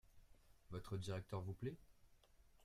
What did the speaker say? Votre directeur vous plait ?